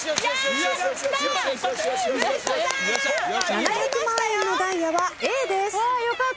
７００万円のダイヤはＡです。